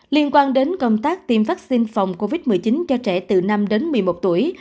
liên quan đến công tác tiêm vaccine phòng covid một mươi chín cho trẻ từ năm đến một mươi một tuổi